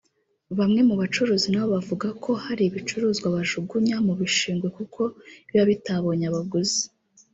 bamwe mu bacuruzi nabo bavuga ko hari ibicuruzwa bajugunya mu bishingwe kuko biba bitabonye abaguzi